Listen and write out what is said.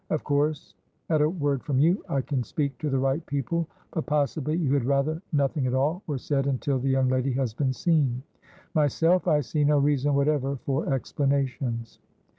Of course at a word from you, I can speak to the right people, but possibly you had rather nothing at all were said until the young lady has been seen. Myself, I see no reason whatever for explanations."